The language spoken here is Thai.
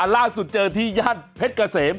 ล่าสุดเจอที่ย่านเพชรเกษม